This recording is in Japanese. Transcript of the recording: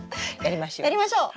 やりましょう。